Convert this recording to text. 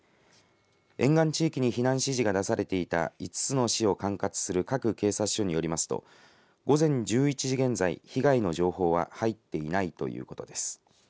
沿岸地域に避難指示が出されていた５つの市を管轄する各警察署によりますと午前１１時現在、被害の情報は入っていないということです。